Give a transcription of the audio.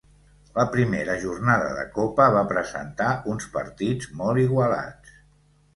La primera jornada de copa va presentar uns partits molt igualats.